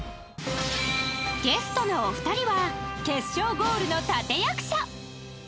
ゲストのお二人は決勝ゴールの立役者。